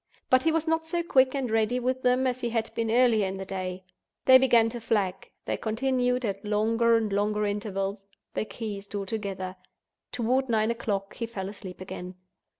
But he was not so quick and ready with them as he had been earlier in the day. They began to flag—they continued, at longer and longer intervals—they ceased altogether. Toward nine o'clock he fell asleep again.